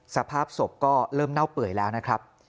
สภาพศพก็เริ่มเน่าเปื่อยแล้วนะครับ